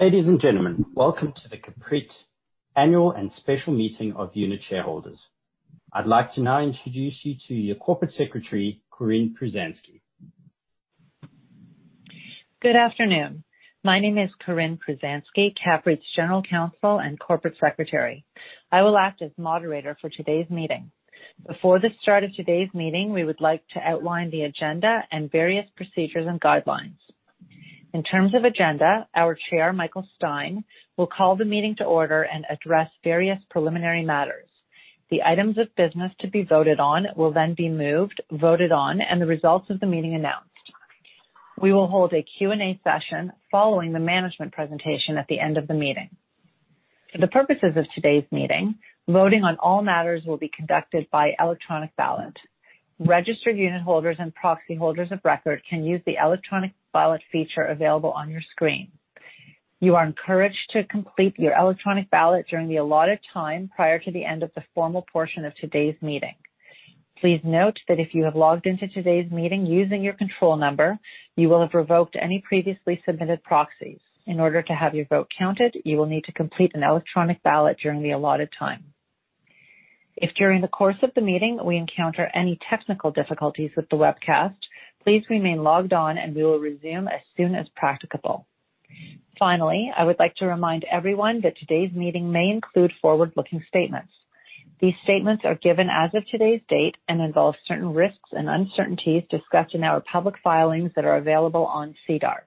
Ladies and gentlemen, welcome to the CAPREIT Annual and Special Meeting of Unit Shareholders. I'd like to now introduce you to your Corporate Secretary, Corinne Pruzanski. Good afternoon. My name is Corinne Pruzanski, CAPREIT's General Counsel and Corporate Secretary. I will act as moderator for today's meeting. Before the start of today's meeting, we would like to outline the agenda and various procedures and guidelines. In terms of agenda, our Chair, Michael Stein, will call the meeting to order and address various preliminary matters. The items of business to be voted on will be moved, voted on, and the results of the meeting announced. We will hold a Q&A session following the management presentation at the end of the meeting. For the purposes of today's meeting, voting on all matters will be conducted by electronic ballot. Registered unitholders and proxy holders of record can use the electronic ballot feature available on your screen. You are encouraged to complete your electronic ballot during the allotted time prior to the end of the formal portion of today's meeting. Please note that if you have logged into today's meeting using your control number, you will have revoked any previously submitted proxies. In order to have your vote counted, you will need to complete an electronic ballot during the allotted time. If during the course of the meeting, we encounter any technical difficulties with the webcast, please remain logged on and we will resume as soon as practicable. Finally, I would like to remind everyone that today's meeting may include forward-looking statements. These statements are given as of today's date and involve certain risks and uncertainties discussed in our public filings that are available on SEDAR.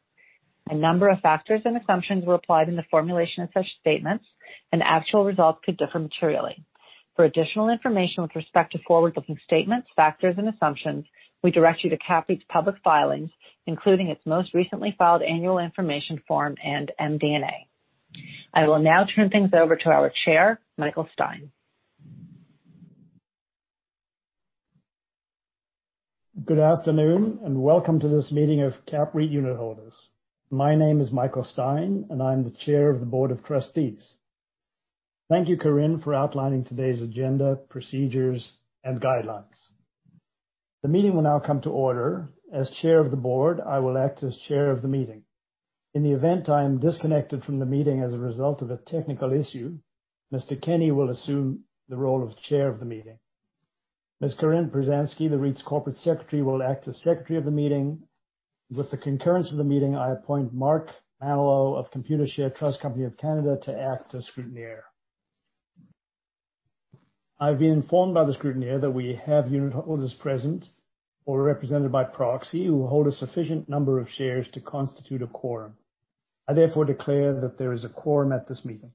A number of factors and assumptions were applied in the formulation of such statements, and actual results could differ materially. For additional information with respect to forward-looking statements, factors, and assumptions, we direct you to CAPREIT's public filings, including its most recently filed annual information form and MD&A. I will now turn things over to our Chair, Michael Stein. Good afternoon, welcome to this meeting of CAPREIT unitholders. My name is Michael Stein, and I'm the Chair of the Board of Trustees. Thank you, Corinne, for outlining today's agenda, procedures, and guidelines. The meeting will now come to order. As Chair of the Board, I will act as Chair of the meeting. In the event I am disconnected from the meeting as a result of a technical issue, Mr. Kenney will assume the role of Chair of the meeting. Ms. Corinne Pruzanski, the CAPREIT's Corporate Secretary, will act as Secretary of the meeting. With the concurrence of the meeting, I appoint Mark Manalo of Computershare Trust Company of Canada to act as scrutineer. I've been informed by the scrutineer that we have unitholders present or represented by proxy who hold a sufficient number of shares to constitute a quorum. I therefore declare that there is a quorum at this meeting.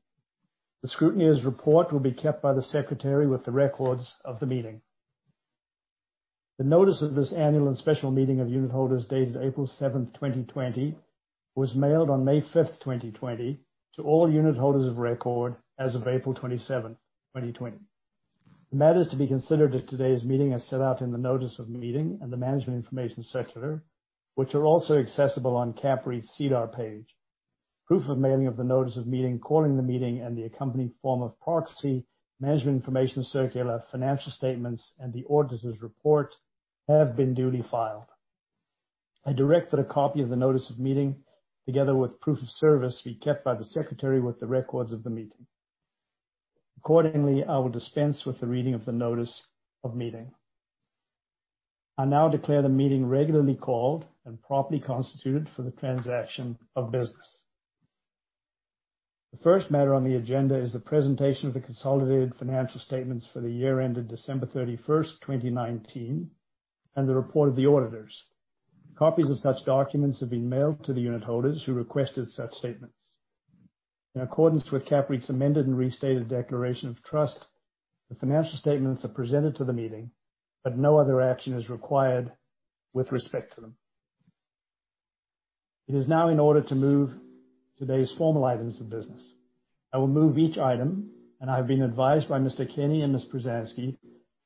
The scrutineer's report will be kept by the secretary with the records of the meeting. The notice of this annual and special meeting of unitholders dated April 7th, 2020, was mailed on May 5th, 2020, to all unitholders of record as of April 27th, 2020. The matters to be considered at today's meeting are set out in the notice of meeting and the Management Information Circular, which are also accessible on CAPREIT's SEDAR page. Proof of mailing of the notice of meeting, calling the meeting, and the accompanying form of proxy, Management Information Circular, financial statements, and the auditor's report have been duly filed. I direct that a copy of the notice of meeting, together with proof of service, be kept by the secretary with the records of the meeting. Accordingly, I will dispense with the reading of the notice of meeting. I now declare the meeting regularly called and properly constituted for the transaction of business. The first matter on the agenda is the presentation of the consolidated financial statements for the year ended December 31st, 2019, and the report of the auditors. Copies of such documents have been mailed to the unitholders who requested such statements. In accordance with CAPREIT's amended and restated declaration of trust, the financial statements are presented to the meeting, but no other action is required with respect to them. It is now in order to move today's formal items of business. I will move each item, and I have been advised by Mr. Kenney and Ms. Pruzanski,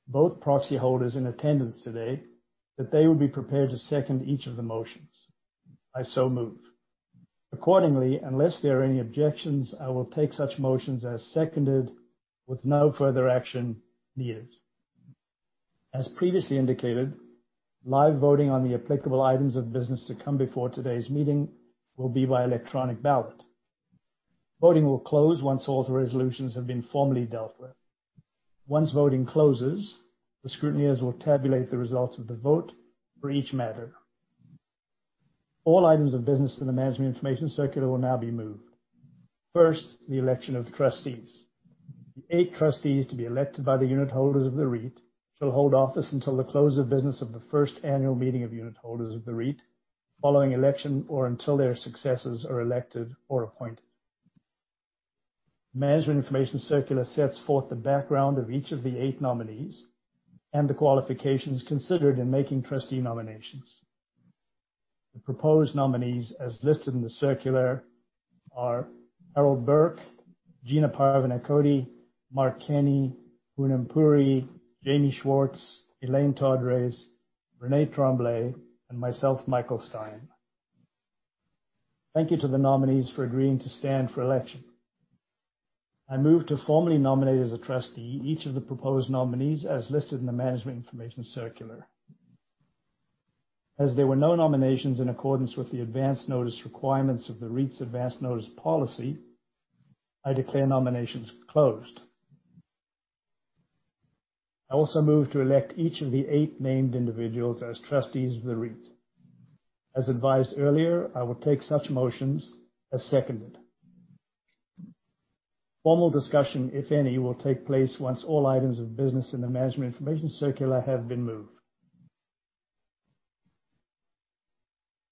both proxy holders in attendance today, that they will be prepared to second each of the motions. I so move. Accordingly, unless there are any objections, I will take such motions as seconded with no further action needed. As previously indicated, live voting on the applicable items of business to come before today's meeting will be by electronic ballot. Voting will close once all the resolutions have been formally dealt with. Once voting closes, the scrutineers will tabulate the results of the vote for each matter. All items of business in the Management Information Circular will now be moved. First, the election of trustees. The eight trustees to be elected by the unitholders of the REIT shall hold office until the close of business of the first annual meeting of unitholders of the REIT following election or until their successors are elected or appointed. Management Information Circular sets forth the background of each of the eight nominees and the qualifications considered in making trustee nominations. The proposed nominees, as listed in the circular, are Harold Burke, Gina Parvaneh Cody, Mark Kenney, Poonam Puri, Jamie Schwartz, Elaine Todres, René Tremblay, and myself, Michael Stein. Thank you to the nominees for agreeing to stand for election. I move to formally nominate as a trustee each of the proposed nominees as listed in the management information circular. As there were no nominations in accordance with the advance notice requirements of the REIT's advance notice policy, I declare nominations closed. I also move to elect each of the eight named individuals as trustees of the REIT. As advised earlier, I will take such motions as seconded. Formal discussion, if any, will take place once all items of business in the management information circular have been moved.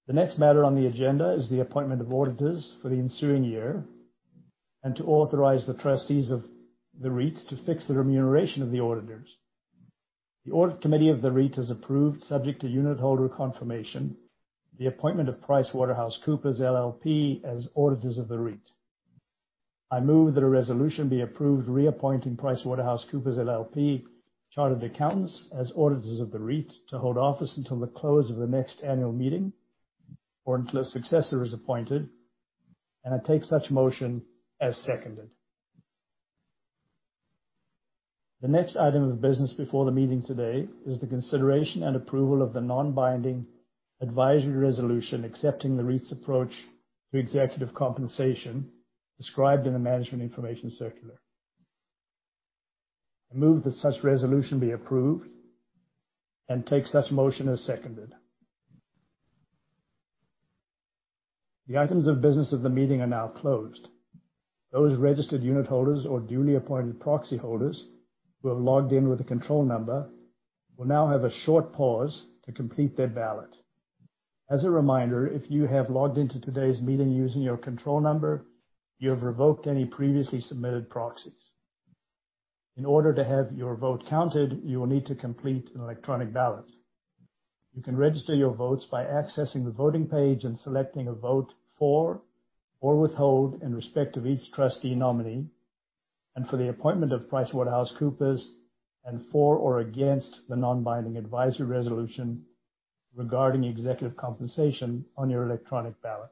The next matter on the agenda is the appointment of auditors for the ensuing year, and to authorize the trustees of the REIT to fix the remuneration of the auditors. The audit committee of the REIT has approved, subject to unitholder confirmation, the appointment of PricewaterhouseCoopers LLP as auditors of the REIT. I move that a resolution be approved reappointing PricewaterhouseCoopers LLP chartered accountants as auditors of the REIT to hold office until the close of the next annual meeting, or until a successor is appointed, and I take such motion as seconded. The next item of business before the meeting today is the consideration and approval of the non-binding advisory resolution accepting the REIT's approach to executive compensation described in the management information circular. I move that such resolution be approved and take such motion as seconded. The items of business of the meeting are now closed. Those registered unitholders or duly appointed proxy holders who have logged in with a control number will now have a short pause to complete their ballot. As a reminder, if you have logged in to today's meeting using your control number, you have revoked any previously submitted proxies. In order to have your vote counted, you will need to complete an electronic ballot. You can register your votes by accessing the voting page and selecting a vote for or withhold in respect of each trustee nominee, and for the appointment of PricewaterhouseCoopers, and for or against the non-binding advisory resolution regarding executive compensation on your electronic ballot.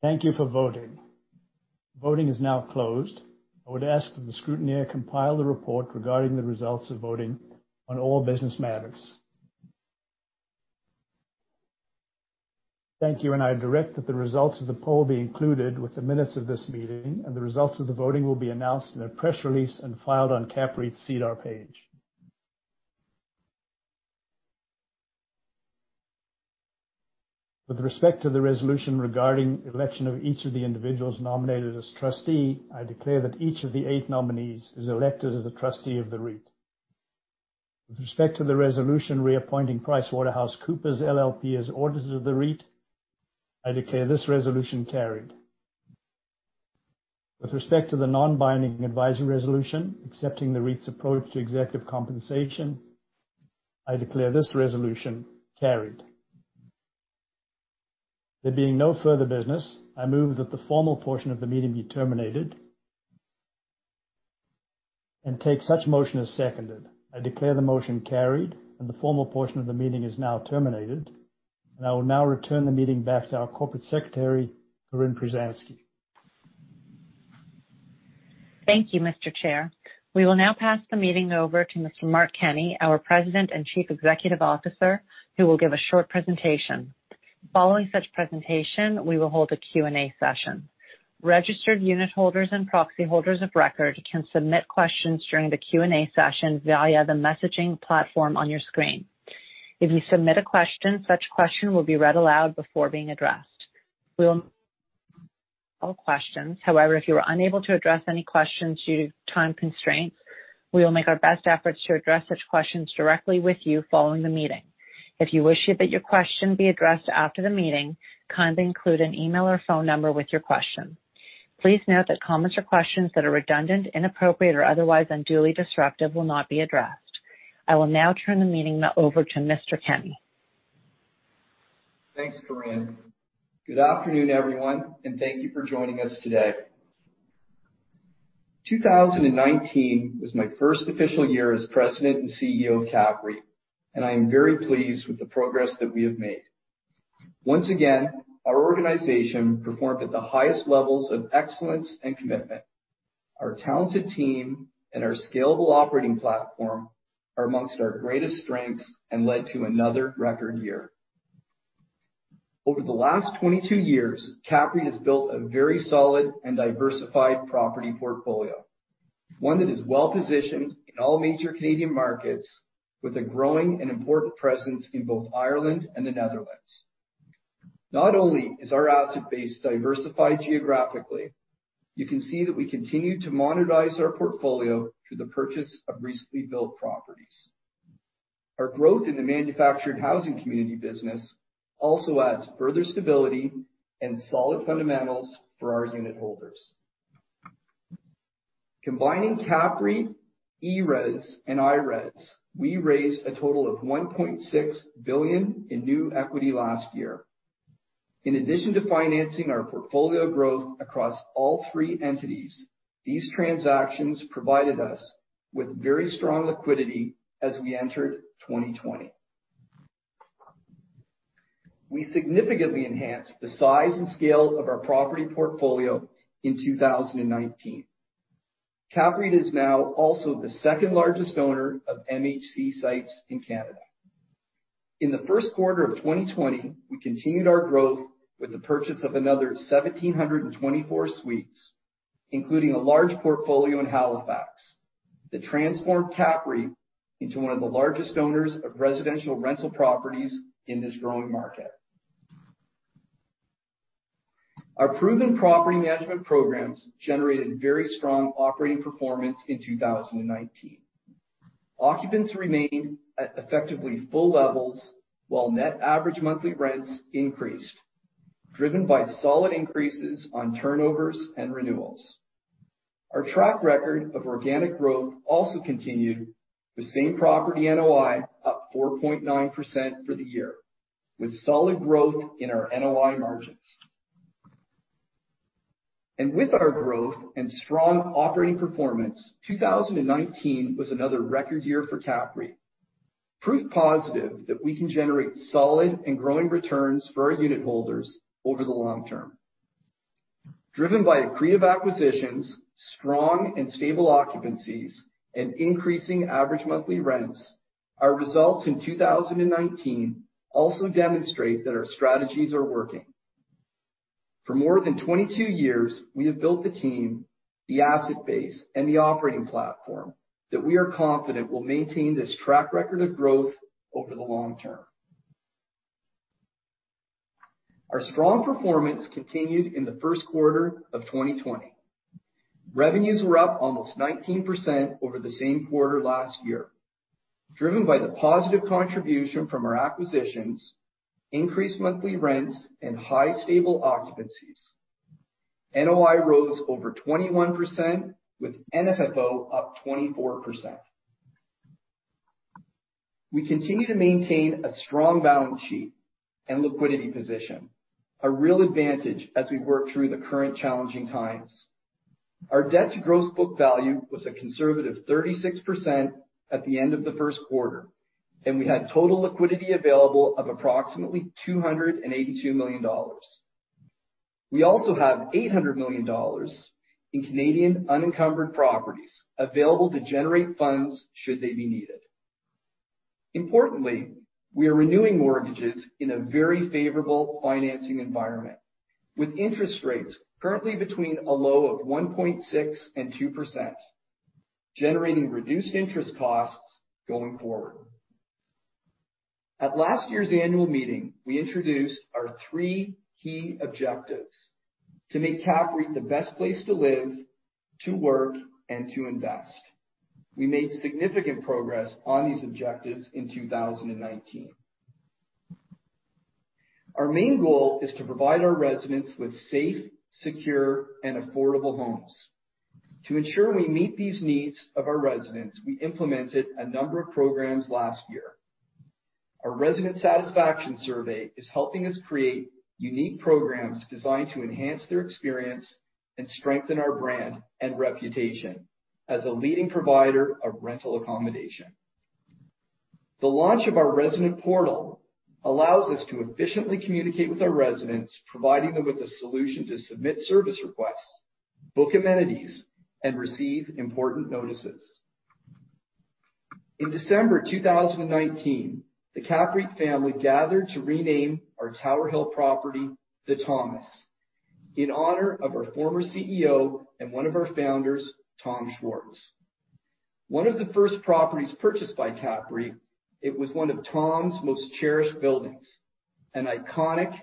Thank you for voting. Voting is now closed. I would ask that the scrutineer compile the report regarding the results of voting on all business matters. Thank you, and I direct that the results of the poll be included with the minutes of this meeting, and the results of the voting will be announced in a press release and filed on CAPREIT's SEDAR page. With respect to the resolution regarding election of each of the individuals nominated as trustee, I declare that each of the eight nominees is elected as a trustee of the REIT. With respect to the resolution reappointing PricewaterhouseCoopers LLP as auditors of the REIT, I declare this resolution carried. With respect to the non-binding advisory resolution accepting the REIT's approach to executive compensation, I declare this resolution carried. There being no further business, I move that the formal portion of the meeting be terminated, and take such motion as seconded. I declare the motion carried, and the formal portion of the meeting is now terminated. I will now return the meeting back to our Corporate Secretary, Corinne Pruzanski. Thank you, Mr. Chair. We will now pass the meeting over to Mr. Mark Kenney, our President and Chief Executive Officer, who will give a short presentation. Following such presentation, we will hold a Q&A session. Registered unitholders and proxy holders of record can submit questions during the Q&A session via the messaging platform on your screen. If you submit a question, such question will be read aloud before being addressed. We will address all questions. However, if we are unable to address any questions due to time constraints, we will make our best efforts to address such questions directly with you following the meeting. If you wish that your question be addressed after the meeting, kindly include an email or phone number with your question. Please note that comments or questions that are redundant, inappropriate, or otherwise unduly disruptive will not be addressed. I will now turn the meeting over to Mr. Kenney. Thanks, Corinne. Good afternoon, everyone, Thank you for joining us today. 2019 was my first official year as President and CEO of CAPREIT, and I am very pleased with the progress that we have made. Once again, our organization performed at the highest levels of excellence and commitment. Our talented team and our scalable operating platform are amongst our greatest strengths and led to another record year. Over the last 22 years, CAPREIT has built a very solid and diversified property portfolio. One that is well-positioned in all major Canadian markets with a growing and important presence in both Ireland and the Netherlands. Not only is our asset base diversified geographically, you can see that we continue to monetize our portfolio through the purchase of recently built properties. Our growth in the manufactured housing community business also adds further stability and solid fundamentals for our unitholders. Combining CAPREIT, ERES and IRES, we raised a total of 1.6 billion in new equity last year. In addition to financing our portfolio growth across all three entities, these transactions provided us with very strong liquidity as we entered 2020. We significantly enhanced the size and scale of our property portfolio in 2019. CAPREIT is now also the second-largest owner of MHC sites in Canada. In the first quarter of 2020, we continued our growth with the purchase of another 1,724 suites, including a large portfolio in Halifax that transformed CAPREIT into one of the largest owners of residential rental properties in this growing market. Our proven property management programs generated very strong operating performance in 2019. Occupancy remained at effectively full levels while net average monthly rents increased, driven by solid increases on turnovers and renewals. Our track record of organic growth also continued, with same property NOI up 4.9% for the year, with solid growth in our NOI margins. With our growth and strong operating performance, 2019 was another record year for CAPREIT. Proof positive that we can generate solid and growing returns for our unit holders over the long term. Driven by accretive acquisitions, strong and stable occupancies, and increasing average monthly rents, our results in 2019 also demonstrate that our strategies are working. For more than 22 years, we have built the team, the asset base, and the operating platform that we are confident will maintain this track record of growth over the long term. Our strong performance continued in the first quarter of 2020. Revenues were up almost 19% over the same quarter last year, driven by the positive contribution from our acquisitions, increased monthly rents, and high stable occupancies. NOI rose over 21% with NFFO up 24%. We continue to maintain a strong balance sheet and liquidity position, a real advantage as we work through the current challenging times. Our debt to gross book value was a conservative 36% at the end of the first quarter, and we had total liquidity available of approximately 282 million dollars. We also have 800 million dollars in Canadian unencumbered properties available to generate funds should they be needed. Importantly, we are renewing mortgages in a very favorable financing environment, with interest rates currently between a low of 1.6% and 2%, generating reduced interest costs going forward. At last year's annual meeting, we introduced our three key objectives: to make CAPREIT the best place to live, to work, and to invest. We made significant progress on these objectives in 2019. Our main goal is to provide our residents with safe, secure, and affordable homes. To ensure we meet these needs of our residents, we implemented a number of programs last year. Our resident satisfaction survey is helping us create unique programs designed to enhance their experience and strengthen our brand and reputation as a leading provider of rental accommodation. The launch of our resident portal allows us to efficiently communicate with our residents, providing them with a solution to submit service requests, book amenities, and receive important notices. In December 2019, the CAPREIT family gathered to rename our Tower Hill property, The Thomas, in honor of our former CEO and one of our founders, Tom Schwartz. One of the first properties purchased by CAPREIT, it was one of Tom's most cherished buildings. An iconic,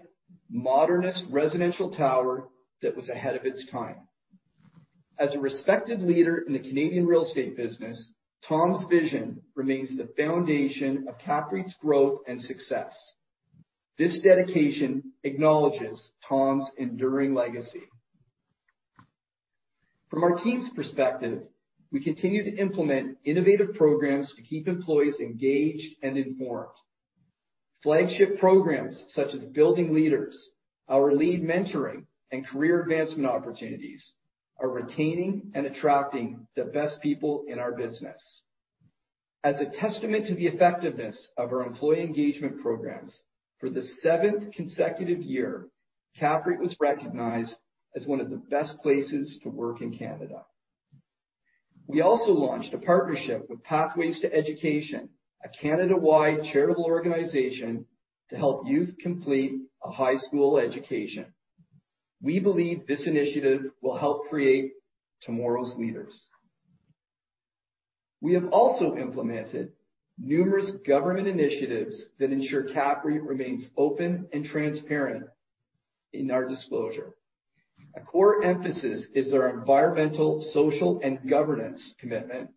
modernist, residential tower that was ahead of its time. As a respected leader in the Canadian real estate business, Tom's vision remains the foundation of CAPREIT's growth and success. This dedication acknowledges Tom's enduring legacy. From our team's perspective, we continue to implement innovative programs to keep employees engaged and informed. Flagship programs such as Building Leaders, our lead mentoring and career advancement opportunities, are retaining and attracting the best people in our business. As a testament to the effectiveness of our employee engagement programs, for the seventh consecutive year, CAPREIT was recognized as one of the best places to work in Canada. We also launched a partnership with Pathways to Education, a Canada-wide charitable organization to help youth complete a high school education. We believe this initiative will help create tomorrow's leaders. We have also implemented numerous governance initiatives that ensure CAPREIT remains open and transparent in our disclosure. A core emphasis is our environmental, social, and governance commitment.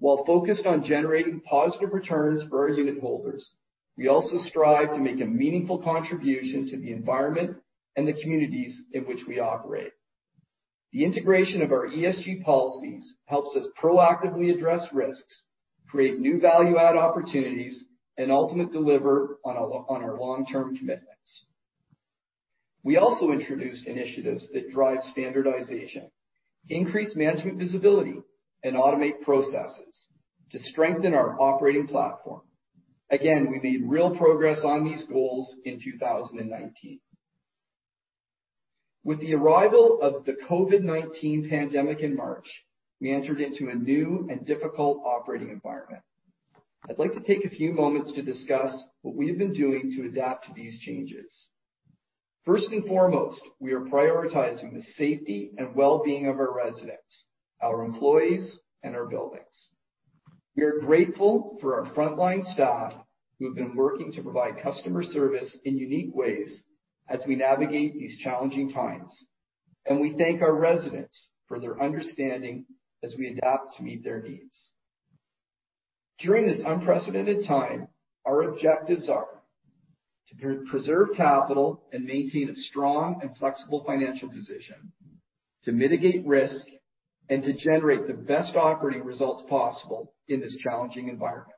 While focused on generating positive returns for our unit holders, we also strive to make a meaningful contribution to the environment and the communities in which we operate. The integration of our ESG policies helps us proactively address risks, create new value-add opportunities, and ultimately deliver on our long-term commitments. We also introduced initiatives that drive standardization, increase management visibility, and automate processes to strengthen our operating platform. Again, we made real progress on these goals in 2019. With the arrival of the COVID-19 pandemic in March, we entered into a new and difficult operating environment. I'd like to take a few moments to discuss what we have been doing to adapt to these changes. First and foremost, we are prioritizing the safety and well-being of our residents, our employees, and our buildings. We are grateful for our frontline staff who have been working to provide customer service in unique ways as we navigate these challenging times. We thank our residents for their understanding as we adapt to meet their needs. During this unprecedented time, our objectives are to preserve capital and maintain a strong and flexible financial position, to mitigate risk, and to generate the best operating results possible in this challenging environment.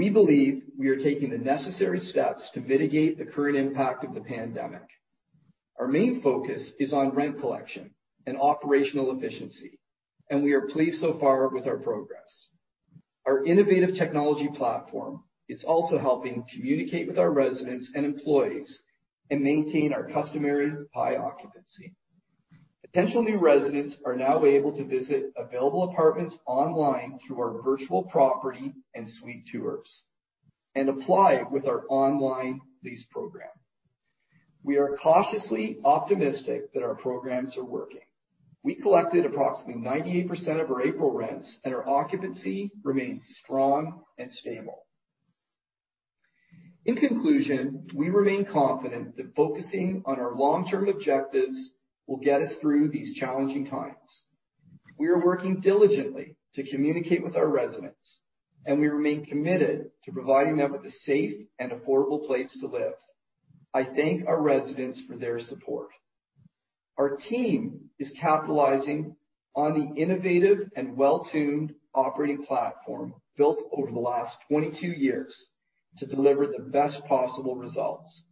We believe we are taking the necessary steps to mitigate the current impact of the pandemic. Our main focus is on rent collection and operational efficiency. We are pleased so far with our progress. Our innovative technology platform is also helping communicate with our residents and employees and maintain our customary high occupancy. Potential new residents are now able to visit available apartments online through our virtual property and suite tours and apply with our online lease program. We are cautiously optimistic that our programs are working. We collected approximately 98% of our April rents, and our occupancy remains strong and stable. In conclusion, we remain confident that focusing on our long-term objectives will get us through these challenging times. We are working diligently to communicate with our residents, and we remain committed to providing them with a safe and affordable place to live. I thank our residents for their support. Our team is capitalizing on the innovative and well-tuned operating platform built over the last 22 years to deliver the best possible results.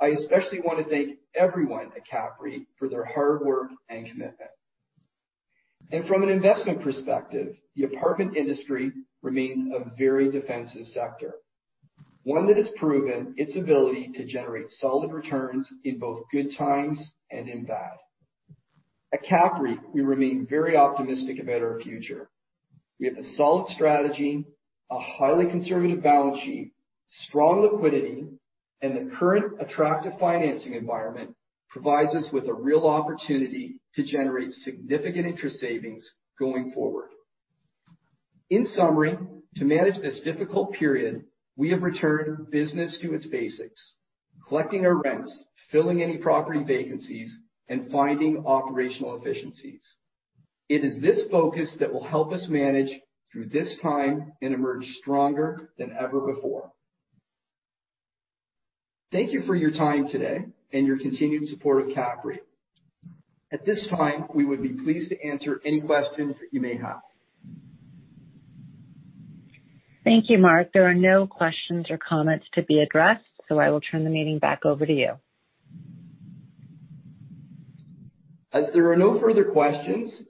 I especially want to thank everyone at CAPREIT for their hard work and commitment. From an investment perspective, the apartment industry remains a very defensive sector, one that has proven its ability to generate solid returns in both good times and in bad. At CAPREIT, we remain very optimistic about our future. We have a solid strategy, a highly conservative balance sheet, strong liquidity, and the current attractive financing environment provides us with a real opportunity to generate significant interest savings going forward. In summary, to manage this difficult period, we have returned business to its basics, collecting our rents, filling any property vacancies, and finding operational efficiencies. It is this focus that will help us manage through this time and emerge stronger than ever before. Thank you for your time today and your continued support of CAPREIT. At this time, we would be pleased to answer any questions that you may have. Thank you, Mark. There are no questions or comments to be addressed, so I will turn the meeting back over to you. As there are no further questions,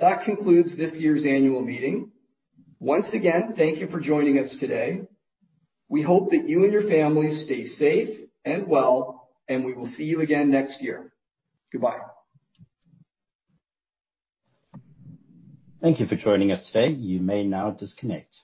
that concludes this year's annual meeting. Once again, thank you for joining us today. We hope that you and your families stay safe and well, and we will see you again next year. Goodbye. Thank you for joining us today. You may now disconnect.